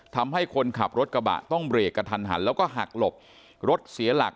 ทำให้คนขับรถกระบะต้องเบรกกระทันหันแล้วก็หักหลบรถเสียหลัก